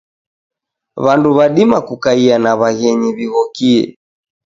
Wandu wadima kukaia na waghenyi wighokie.